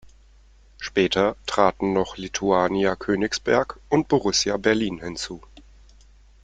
Später traten noch Littuania Königsberg und Borussia Berlin hinzu.